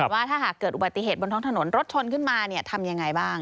ว่าถ้าหากเกิดอุบัติเหตุบนท้องถนนรถชนขึ้นมาทำยังไงบ้าง